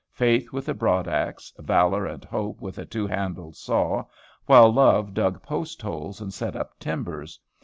Faith with a broadaxe, Valor and Hope with a two handled saw, while Love dug post holes and set up timbers?